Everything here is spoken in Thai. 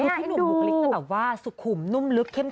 พี่หนุ่มบุคลิกจะแบบว่าสุขุมนุ่มลึกเข้ม